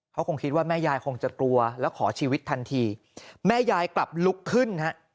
เขาคงคิดว่าแม่ยายคงจะกลัวแล้วขอชีวิตทันทีแม่ยายกลับลุกขึ้นฮะ